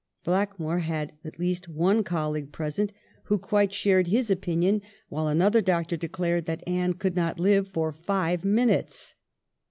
Blackmore had at least one colleague present who quite shared his opinion, while another doctor declared that Anne could not live for five minutes.